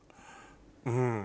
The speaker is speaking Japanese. うん。